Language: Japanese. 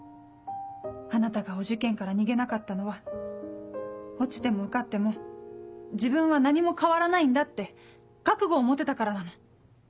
あなたがお受験から逃げなかったのは落ちても受かっても自分は何も変わらないんだって覚悟を持てたからなの。